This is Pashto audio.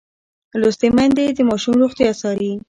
لوستې میندې د ماشوم روغتیا څاري.